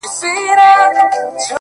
زمـا مــاسوم زړه’